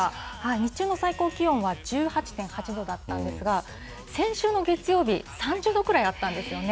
日中の最高気温は１８．８度だったんですが、先週の月曜日、３０度くらいあったんですよね。